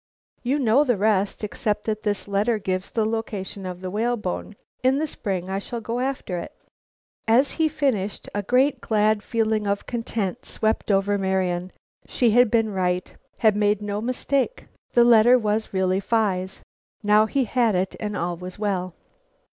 "You know the rest, except that this letter gives the location of the whalebone. In the spring I shall go after it." As he finished, a great, glad feeling of content swept over Marian; she had been right, had made no mistake; the letter was really Phi's. Now he had it and all was well.